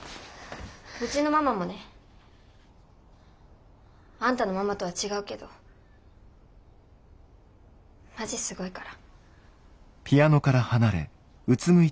うちのママもねあんたのママとは違うけどマジすごいから。